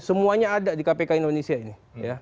semuanya ada di kpk indonesia ini